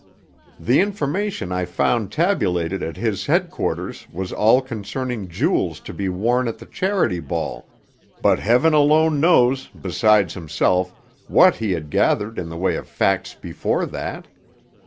The information I found tabulated at his headquarters was all concerning jewels to be worn at the Charity Ball, but Heaven alone knows, besides himself, what he had gathered in the way of facts before that."